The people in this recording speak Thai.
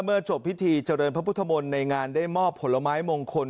เมื่อจบพิธีเจริญพระพุทธมนต์ในงานได้มอบผลไม้มงคล